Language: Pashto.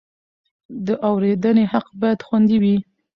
د اورېدنې حق باید خوندي وي.